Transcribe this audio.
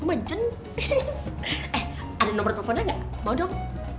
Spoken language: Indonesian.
eh ada nomor teleponnya gak mau dong